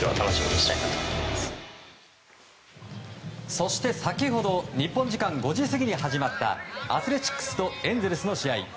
そして先ほど日本時間５時過ぎに始まったアスレチックスとエンゼルスの試合。